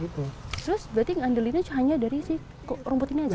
terus berarti ngandelinnya hanya dari si rumput ini aja